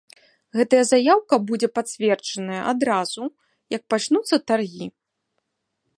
Гэтая заяўка будзе пацверджаная адразу, як пачнуцца таргі.